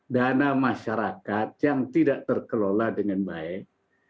dana masyarakat yang tidak terkelola dengan baik